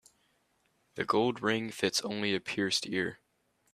The gold ring fits only a pierced ear.